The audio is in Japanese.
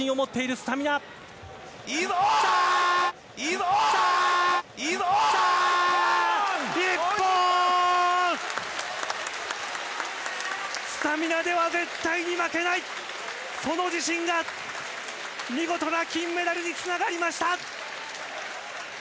スタミナでは絶対に負けないその自信が、見事な金メダルにつながりました！